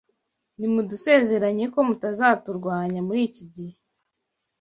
Nimudusezeranye ko mutazaturwanya muricyi gihe